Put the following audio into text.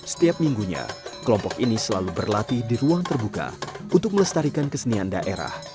setiap minggunya kelompok ini selalu berlatih di ruang terbuka untuk melestarikan kesenian daerah